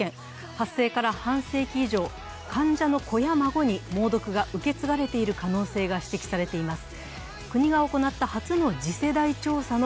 発生から半世紀以上患者の子や孫に、猛毒が受け継がれている可能性が指摘されています。